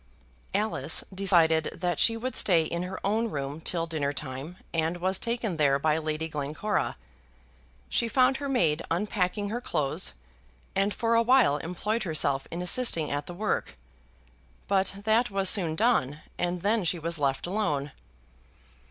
Alice decided that she would stay in her own room till dinner time, and was taken there by Lady Glencora. She found her maid unpacking her clothes, and for a while employed herself in assisting at the work; but that was soon done, and then she was left alone.